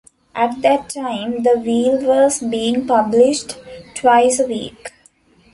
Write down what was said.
At that time the "Wheel" was being published twice a week.